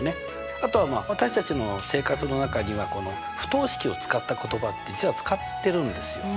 あとは私たちの生活の中には不等式を使った言葉って実は使ってるんですよ。